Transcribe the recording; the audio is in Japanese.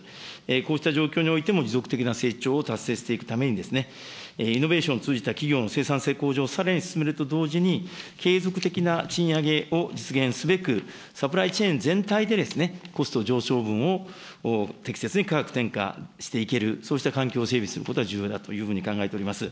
こうした状況においても持続的な成長を達成していくためにイノベーションを通じた企業の生産性向上をさらに進めると同時に、継続的な賃上げを実現すべく、サプライチェーン全体でコスト上昇分を適切に価格転嫁していける、そうした環境を整備することが重要だというふうに考えております。